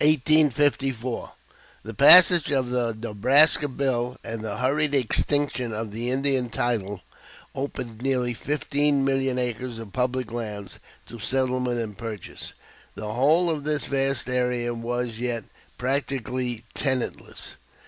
] The passage of the Nebraska bill and the hurried extinction of the Indian title opened nearly fifteen million acres of public lands to settlement and purchase. The whole of this vast area was yet practically tenantless.